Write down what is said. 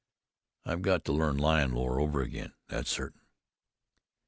I've got to learn lion lore over again, that's certain."